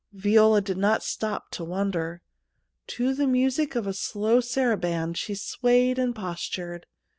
Viola did not stop to wonder. To the music of a slow saraband she swayed and postured.